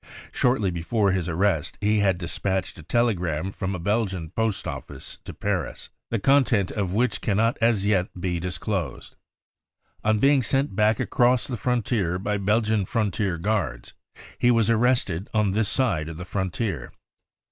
Shortly before his arrest he had despatched a telegram from a Belgian post office to Paris, the contents of which cannot as yet be disclosed. On being sent back across the from tier by Belgian frontier guards, he was arrested on this side of the frontier.